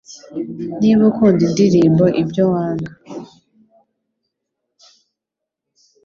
Niba ukunda indirimbo ibyo wanga